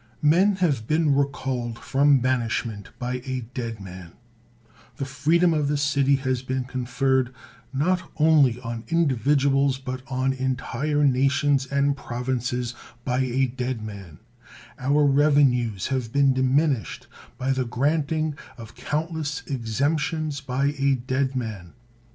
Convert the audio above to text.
Men have been recalled from banishment by a dead man ; the freedom of the city has been con ferred, not only on individuals, but on entire na 168 CICERO tions and provinces by a dead man ; our revenues have been diminished by the granting of count less exemptions by a dead man.